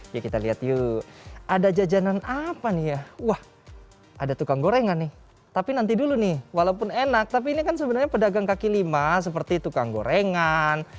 ya kita lihat yuk ada jajanan apa nih ya wah ada tukang gorengan nih tapi nanti dulu nih walaupun enak tapi ini kan sebenarnya pedagang kaki lima seperti tukang gorengan